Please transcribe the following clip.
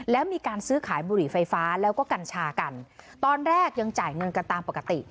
แล้วมีการซื้อขายบุหรี่ไฟฟ้าแล้วก็กัญชากันตอนแรกยังจ่ายเงินกันตามปกติ